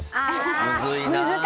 むずいな。